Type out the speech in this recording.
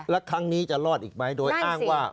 แล้วครั้งนี้จะรอดอีกไหมโดยอ้างว่า